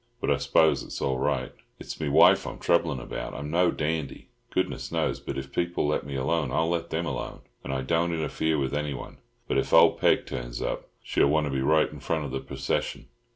But I s'pose it's all right." "It's me wife I'm troublin' about. I'm no dandy, Goodness knows, but if people'll let me alone I'll let them alone, and I don't interfere with anyone. But if old Peg turns up she'll want to be right in front of the percession.